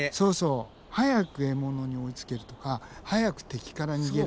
早く獲物に追いつけるとか早く敵から逃げられる。